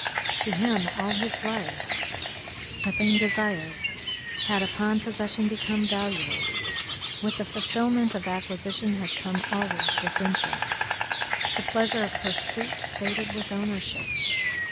To him, all his life, a thing desired had upon possession become valueless. With the fulfilment of acquisition had come always disinterest. The pleasure of pursuit faded with ownership.